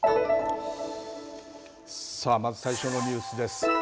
まず最初のニュースです。